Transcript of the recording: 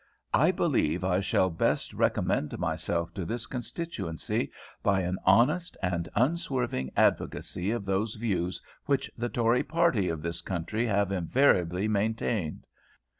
I believe I shall best recommend myself to this constituency by an honest and unswerving advocacy of those views which the Tory party of this country have invariably maintained.